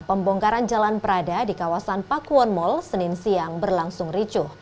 pembongkaran jalan prada di kawasan pakuwon mall senin siang berlangsung ricuh